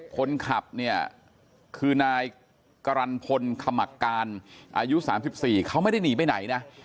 คนขับเนี่ยคือนายกรรณพลขมักการอายุ๓๔เขาไม่ได้หนีไปไหนนะ